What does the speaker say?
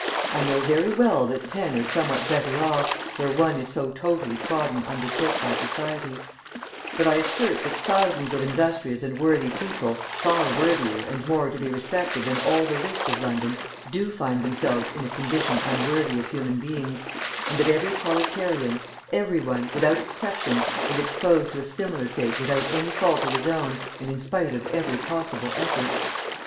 I know very well that ten are somewhat better off, where one is so totally trodden under foot by society; but I assert that thousands of industrious and worthy people far worthier and more to be respected than all the rich of London do find themselves in a condition unworthy of human beings; and that every proletarian, everyone, without exception, is exposed to a similar fate without any fault of his own and in spite of every possible effort.